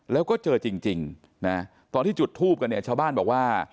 แล้วก็เจอจริงนะตอนที่จุดทูบกันเนี่ยชาวบ้านบอกว่า